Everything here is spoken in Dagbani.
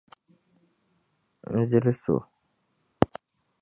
N zilisi o.